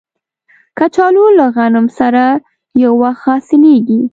کچالو له غنم سره یو وخت حاصلیږي